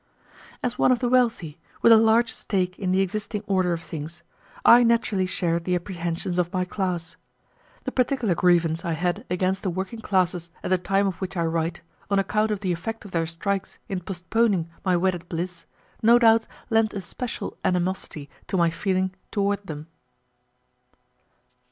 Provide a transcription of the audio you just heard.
As one of the wealthy, with a large stake in the existing order of things, I naturally shared the apprehensions of my class. The particular grievance I had against the working classes at the time of which I write, on account of the effect of their strikes in postponing my wedded bliss, no doubt lent a special animosity to my feeling toward them.